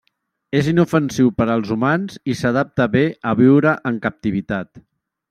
És inofensiu per als humans i s'adapta bé a viure en captivitat.